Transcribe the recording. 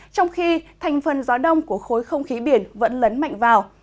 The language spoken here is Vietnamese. trong khi thành phần gió đông của khối không khí biển vẫn lấn mạnh vào